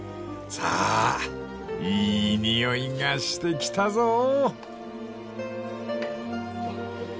［さあいい匂いがしてきたぞ］